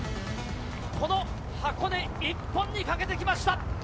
この箱根一本にかけてきました